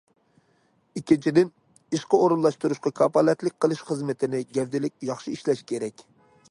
ئىككىنچىدىن، ئىشقا ئورۇنلاشتۇرۇشقا كاپالەتلىك قىلىش خىزمىتىنى گەۋدىلىك ياخشى ئىشلەش كېرەك.